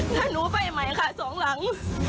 ถ้าหนูไปใหม่ค่ะ๒กล่าง